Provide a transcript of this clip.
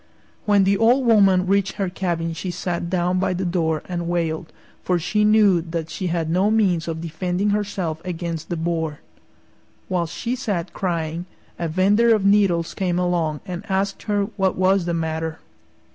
When the Old Woman reached her cabin she sat down by the door and wailed, for she knew that she had no means of defending herself against the Boar. While she sat crying a vender of needles came along and asked her what was the matter.